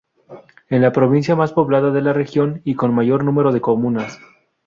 Es la Provincia más poblada de la región y con mayor número de comunas.